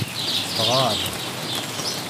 Ɣer.